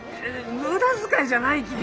無駄遣いじゃないき。